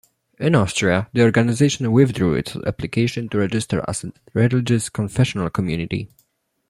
In Austria, the organization withdrew its application to register as a "religious confessional community".